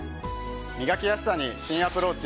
磨きやすさに新アプローチ。